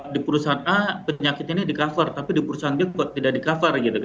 di perusahaan a penyakit ini di cover tapi di perusahaan b kok tidak di cover gitu kan